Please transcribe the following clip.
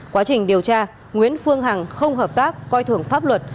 quá trình điều tra nguyễn phương hằng không hợp tác coi thường pháp luật